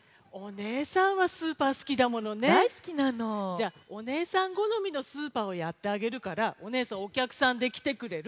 じゃあお姉さんごのみのスーパーをやってあげるからお姉さんおきゃくさんできてくれる？